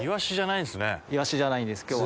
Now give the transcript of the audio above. イワシじゃないんです今日は。